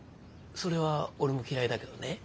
それは俺も嫌いだけどね。